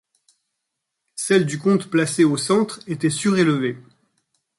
Celle du comte placée au centre était surélevée.